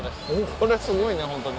これすごいねホントに。